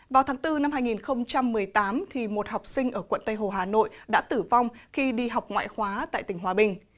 vào tháng bốn năm hai nghìn một mươi tám một học sinh ở quận tây hồ hà nội đã tử vong khi đi học ngoại khóa tại tỉnh hòa bình